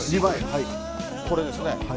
これですね。